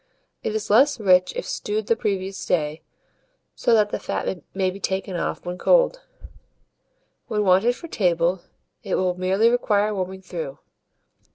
It is less rich if stewed the previous day, so that the fat may be taken off when cold; when wanted for table, it will merely require warming through.